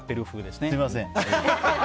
すみません。